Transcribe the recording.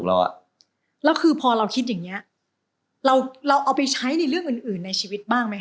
เราเราเอาไปใช้ในเรื่องอื่นในชีวิตบ้างมั้ยคะ